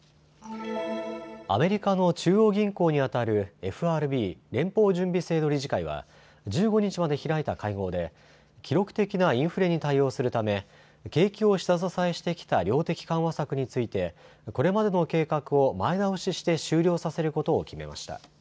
アメリカの中央銀行にあたるＦＲＢ・連邦準備制度理事会は１５日まで開いた会合で記録的なインフレに対応するため景気を下支えしてきた量的緩和策についてこれまでの計画を前倒しして終了させることを決めました。